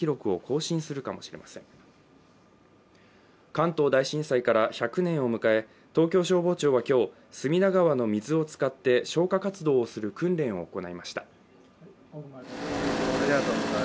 関東大震災から１００年を迎え東京消防庁は今日、隅田川の水を使って消火活動をする訓練を行いました。